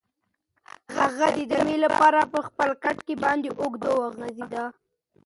هغه د دمې لپاره په خپل کټ باندې اوږد وغځېد.